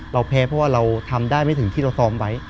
แพ้เพราะว่าเราทำได้ไม่ถึงที่เราซ้อมไว้